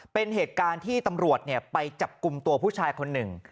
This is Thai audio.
เป็นเหตุการณ์ที่ตำรวจไปจับกลุ่มตัวผู้ชายคนหนึ่ง